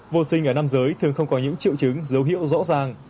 vô sinh ở nam giới thường không có những triệu chứng dấu hiệu rõ ràng